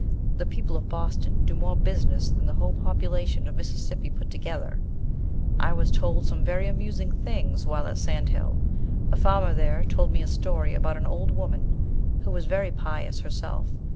The people of Boston do more business than the whole population of Mississippi put together. I was told some very amusing things while at Sand Hill. A farmer there told me a story about an old woman, who was very pious herself.